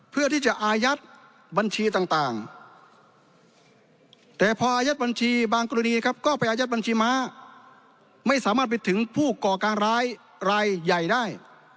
ก็ไปอาจารย์บัญชีม้าไม่สามารถปิดถึงผู้ก่อการรายใหญ่ได้